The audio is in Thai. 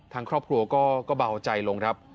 ทางครอบครัวก็เบาใจลงครับ